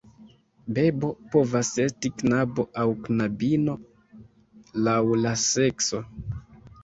Bebo povas esti knabo aŭ knabino, laŭ la sekso.